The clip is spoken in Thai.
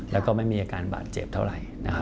แล้วก็ไม่มีอาการบาดเจ็บเท่าไหร่